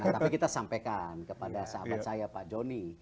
tapi kita sampaikan kepada sahabat saya pak joni